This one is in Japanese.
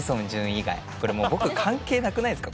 以外これもう僕関係なくないすか？